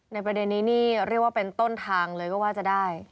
ประเด็นนี้นี่เรียกว่าเป็นต้นทางเลยก็ว่าจะได้